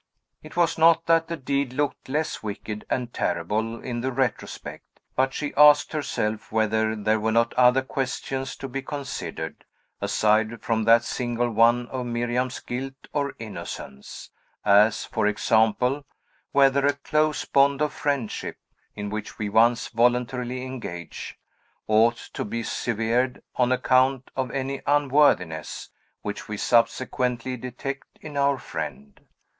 It was not that the deed looked less wicked and terrible in the retrospect; but she asked herself whether there were not other questions to be considered, aside from that single one of Miriam's guilt or innocence; as, for example, whether a close bond of friendship, in which we once voluntarily engage, ought to be severed on account of any unworthiness, which we subsequently detect in our friend.